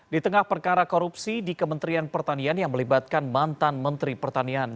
di tengah perkara korupsi di kementerian pertanian yang melibatkan mantan menteri pertanian